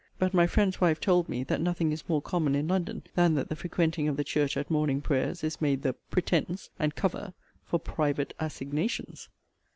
But my friend's wife told me, that nothing is more common in London, than that the frequenting of the church at morning prayers is made the 'pretence' and 'cover' for 'private assignations.'